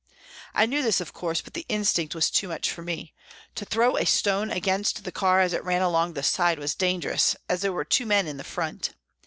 I knew this, of course, but the instinct was too much for me. To throw a stone against the car as it ran along the side was dangerous, as there were two men in the front.